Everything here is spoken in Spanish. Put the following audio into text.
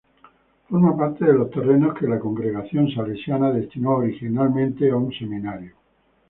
Forma parte de los terrenos que la Congregación Salesiana destinó originalmente a un seminario.